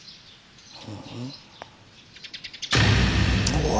うわ！